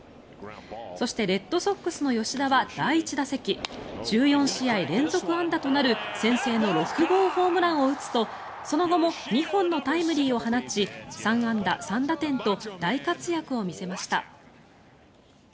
そして、レッドソックスの吉田は第１打席１４試合連続安打となる先制の６号ホームランを打つとその後も２本のタイムリーを放ち３安打３打点と大活躍を見せました。